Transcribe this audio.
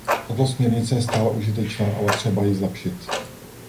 Tato směrnice je stále užitečná, ale třeba ji zlepšit.